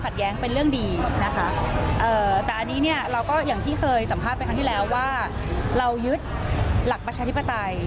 อันนี้เนี่ยเราก็อย่างที่เคยสัมภาษณ์ไปครั้งที่แล้วว่าเรายึดหลักประชาธิปไตย